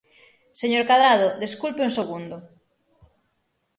Señor Cadrado, desculpe un segundo.